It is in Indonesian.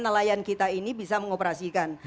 nelayan kita ini bisa mengoperasikan